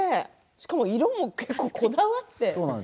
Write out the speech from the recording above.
しかも色にこだわって。